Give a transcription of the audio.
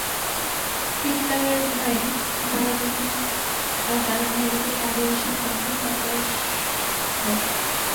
হিটলারের ভয়ে বাবা যখন তাঁর আমেরিকায় পালিয়ে আসেন, তখন তাঁর বয়স দশ।